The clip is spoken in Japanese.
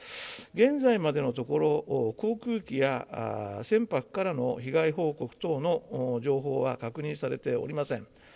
現在までのところ、航空機や船舶からの被害報告等の情報は確認されておりません。